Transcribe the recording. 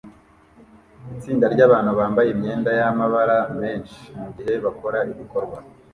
Itsinda ryabantu bambaye imyenda yamabara menshi mugihe bakora igikorwa